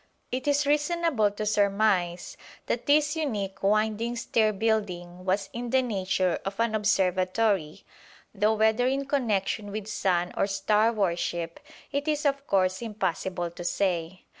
It is reasonable to surmise that this unique winding stair building was in the nature of an observatory, though whether in connection with Sun or Star worship it is of course impossible to say.